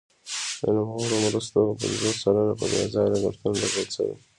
د نوموړو مرستو پنځوس سلنه په بې ځایه لګښتونو لګول شوي.